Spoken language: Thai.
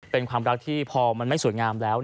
เป็นความรักที่พอมันไม่สวยงามแล้ว